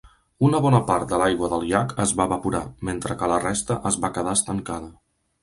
Una bona part de l'aigua del llac es va evaporar, mentre que la resta es va quedar estancada.